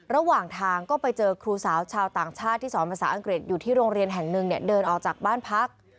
ระหว่างทางก็ไปเจอครูสาวชาวต่างชาติที่สอนภาษาอังกฤษอยู่ที่โรงเรียนแห่งหนึ่งเนี่ยเดินออกจากบ้านพัก